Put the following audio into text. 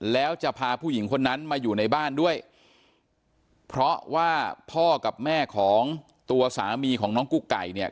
แล้วจะพาผู้หญิงคนนั้นมาอยู่ในบ้านด้วยเพราะว่าพ่อกับแม่ของตัวสามีของน้องกุ๊กไก่เนี่ย